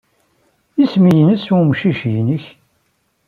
Isem-nnes umcic-nnek?